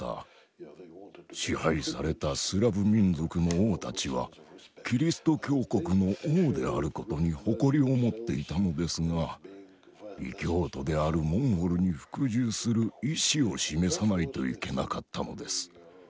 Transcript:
支配されたスラブ民族の王たちはキリスト教国の王であることに誇りを持っていたのですが異教徒であるモンゴルに服従する意志を示さないといけなかったのです。